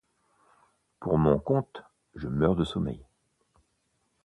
Pour mon compte, je meurs de sommeil.